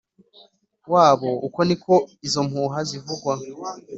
wabo uko ni ko izo mpuha zivugwa